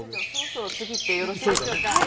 副所長そろそろ次いってよろしいでしょうか。